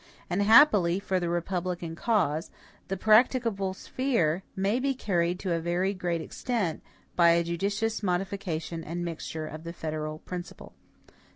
And happily for the REPUBLICAN CAUSE, the practicable sphere may be carried to a very great extent, by a judicious modification and mixture of the FEDERAL PRINCIPLE.